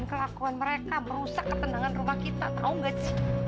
udah bikin kesabaran aku habis